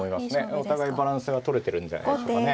お互いバランスが取れてるんじゃないでしょうかね。